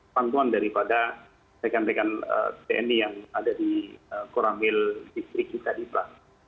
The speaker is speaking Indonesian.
pantuan daripada rekan rekan tni yang ada di koramil istriq haji biba